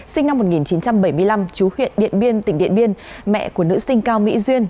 sinh năm một nghìn chín trăm bảy mươi năm chú huyện điện biên tỉnh điện biên mẹ của nữ sinh cao mỹ duyên